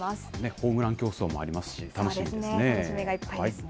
ホームラン競争もありますし、楽しみですね。